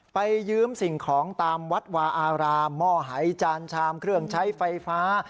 ไปยืมสิ่งของตามวัดวาอารามหม้อหายจานชามเครื่องใช้ไฟฟ้า